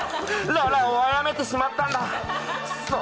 ララァをあやめてしまったんだくそ。